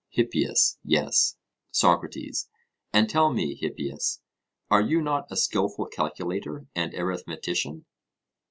HIPPIAS: Yes. SOCRATES: And tell me, Hippias, are you not a skilful calculator and arithmetician?